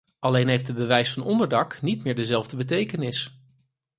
Alleen heeft het bewijs van onderdak niet meer dezelfde betekenis.